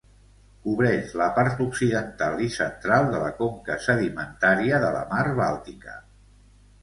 Cobreix la part occidental i central de la conca sedimentària de la Mar Bàltica.